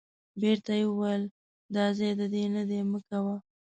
بیرته یې وویل دا ځای د دې نه دی مه کوه.